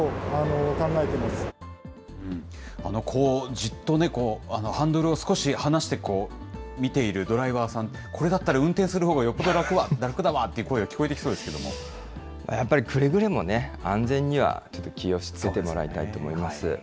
じっとハンドルを少し放して見ているドライバーさん、これだったら運転するほうがよっぽど楽だわという声が聞こえてきやっぱりくれぐれもね、安全には気をつけてもらいたいと思います。